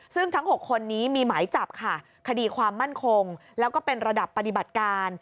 ซึ่งทั้ง๖คนนี้มีหมายจับค่ะคดีความมั่นคงแล้วก็เป็นระดับปฏิบัติการ